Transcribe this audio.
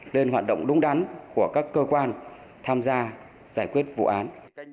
lên hoạt động đúng đắn của các cơ quan tham gia giải quyết vụ án